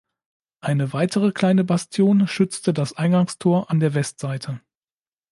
Eine weitere kleine Bastion schützte das Eingangstor an der Westseite.